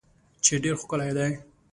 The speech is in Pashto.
چې ډیر ښکلی دی